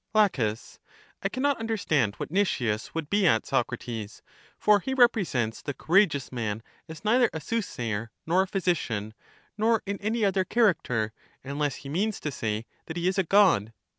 La, I can not understand what Nicias would be at, Socrates; for he represents the courageous man as neither a soothsayer, nor a physician, nor in any other character, unless he means to say that he is a god.